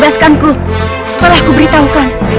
setelah ku beritahukan